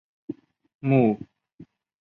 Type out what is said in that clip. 慕生忠生于吴堡县的一个农民家庭。